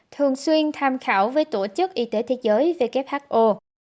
thường xuyên tham khảo với tổ chức y tế thế giới who